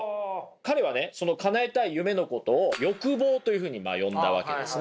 彼はねかなえたい夢のことを欲望というふうに呼んだわけですね。